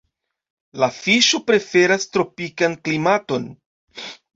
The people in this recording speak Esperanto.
La fiŝo preferas tropikan klimaton.